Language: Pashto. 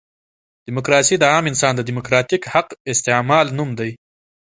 ډیموکراسي د عام انسان د ډیموکراتیک حق استعمال نوم دی.